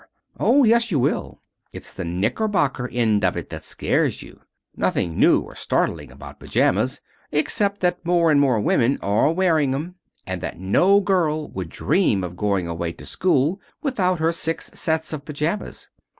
"Oh, yes, you will. It's the knickerbocker end of it that scares you. Nothing new or startling about pajamas, except that more and more women are wearing 'em, and that no girl would dream of going away to school without her six sets of pajamas.